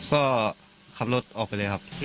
ก็ขับรถออกไปเลยครับ